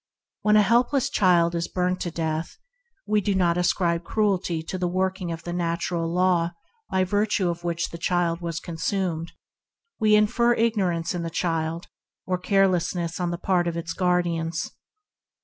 When a little child is burnt by matches, we do not ascribe cruelty to the working of the natural law by virtue of which the child was injured; we infer ignorance in the child, or carelessness on the part of its guardians.